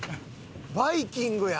バイキングやん。